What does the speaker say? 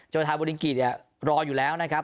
จัวรถาบุรีงกีษรออยู่แล้วนะครับ